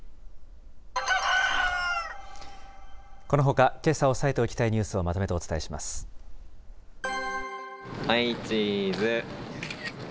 このほか、けさ押さえておきたいニュースをまとめてお伝えしはい、チーズ。